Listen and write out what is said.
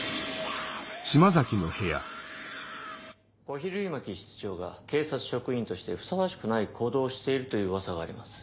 小比類巻室長が警察職員としてふさわしくない行動をしているという噂があります。